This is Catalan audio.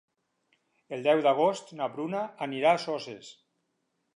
El deu d'agost na Bruna anirà a Soses.